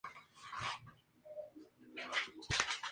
A veces, se muestran las letras en la parte superior de la pantalla.